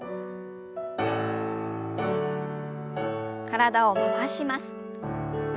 体を回します。